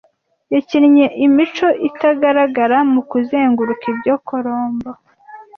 yakinnye imico (itagaragara) mu kuzenguruka ibyo Colombo